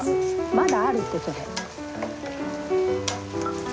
まだあるってそれ。